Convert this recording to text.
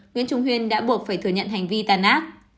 nguyễn trung huyên đã buộc phải thừa nhận hành vi tàn ác